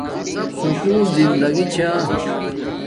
سکُول زندگی چھا